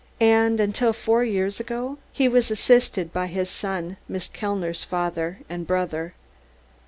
And, until four years ago, he was assisted by his son, Miss Kellner's father, and her brother.